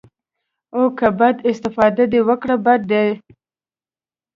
او که بده استفاده دې وکړه بد ديه.